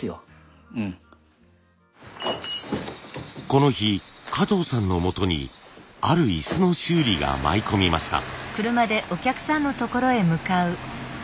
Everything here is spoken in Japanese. この日加藤さんのもとにある椅子の修理が舞い込みました。